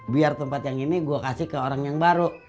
biar tempat yang ini gue kasih ke orang yang baru